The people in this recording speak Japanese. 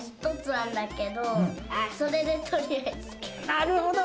なるほど。